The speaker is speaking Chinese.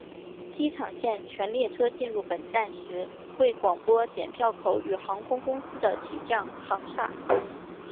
机场线全列车进入本站时会广播剪票口与航空公司的起降航厦。